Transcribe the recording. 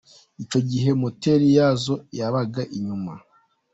Icyo gihe moteri yazo yabaga inyuma.